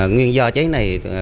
nguyên do cháy này